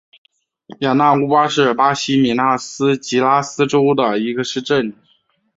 雅纳乌巴是巴西米纳斯吉拉斯州的一个市镇。